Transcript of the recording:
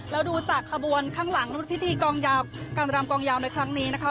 แล้วดูจากขบวนข้างหลังพิธีกองยาวการรำกองยาวในครั้งนี้นะคะ